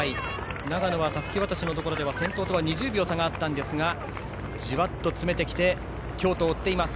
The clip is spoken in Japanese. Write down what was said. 長野はたすき渡しのところで先頭とは２０秒差があったんですがじわっと詰めてきて京都を追っています。